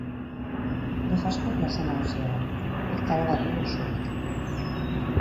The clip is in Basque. Brujasko plaza nagusia da; hektarea bat du osorik.